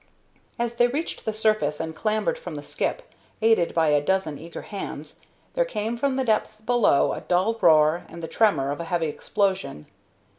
As they reached the surface and clambered from the skip, aided by a dozen eager hands, there came from the depths below a dull roar and the tremor of a heavy explosion.